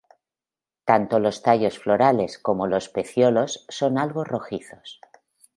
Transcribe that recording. Tanto los tallos florales como los pecíolos son algo rojizos.